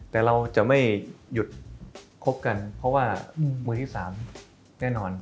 แต่เราจะไม่หยุดคบกันเพราะว่ามือที่๓แน่นอน